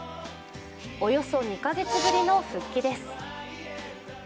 およそ２か月ぶりの復帰です。